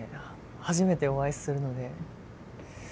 初めてお会いするので。